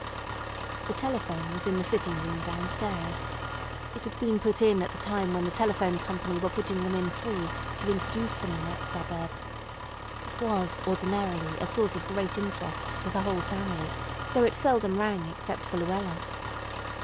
The telephone was in the sitting room down stairs. It had been put in at the time when the telephone company were putting them in free to introduce them in that suburb. It was ordinarily a source of great interest to the whole family, though it seldom rang except for Luella.